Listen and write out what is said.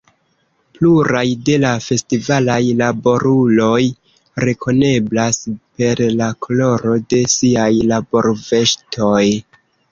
Pluraj de la festivalaj laboruloj rekoneblas per la koloro de siaj laborveŝtoj.